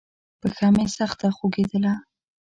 پښه مې سخته خوږېدله.